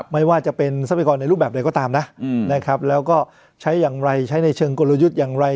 ไม่ว่าจะเป็นทรัพยากรในรูปแบบใดก็ตามนะแล้วก็ใช้อย่างไรใช้ในเชิงกลยุทธ์อย่างไร